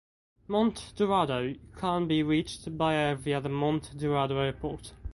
Monte Dourado can be reached by air via the Monte Dourado Airport.